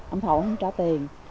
ông thổ không trả tiền